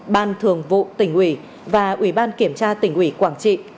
ban thường vụ tỉnh ủy và ủy ban kiểm tra tỉnh ủy quảng trị